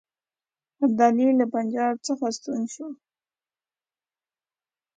ابدالي له پنجاب څخه ستون شو.